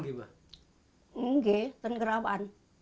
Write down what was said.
tidak itu kerawan